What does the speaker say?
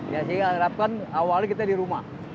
ya sehingga harapkan awalnya kita di rumah